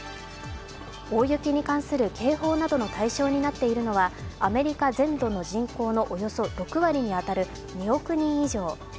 大雪に関する警報などの対象となっているのはアメリカ全土の人口のおよそ６割に当たる２億人以上。